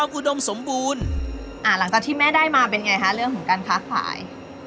ลูกค้านั่นเลย